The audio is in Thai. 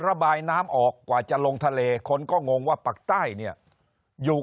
ระบายน้ำออกกว่าจะลงทะเลคนก็งงว่าปักใต้เนี่ยอยู่